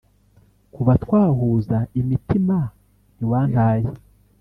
Kuva twahuza imitima ntiwantaye